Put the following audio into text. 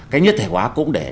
cái nhất thể hóa cũng để